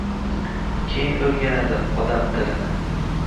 keyin oʼrganadi odam tilini.